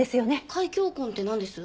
開胸痕ってなんです？